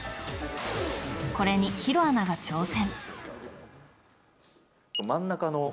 これに弘アナが挑戦。